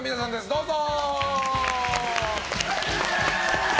どうぞ！